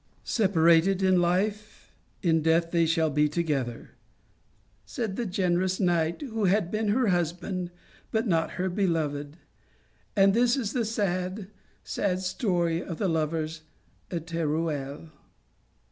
" c Separated in life, in death they shall be together/ said the generous knight who had A Tertulia 113 been her husband but not her beloved; and this is the sad, sad story of the lovers of Teruel."